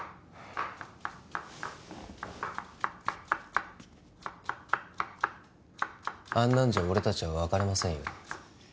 ああんなんじゃ俺達は別れませんよ